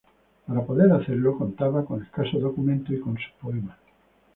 Para poder hacerlo contaba con escasos documentos y con sus poemas.